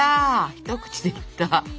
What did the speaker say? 一口でいった！